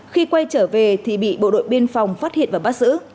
khi quay trở về thì bị bộ đội biên phòng phát hiện và bắt giữ